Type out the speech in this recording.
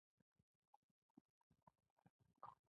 خټکی د دروغو نه ده.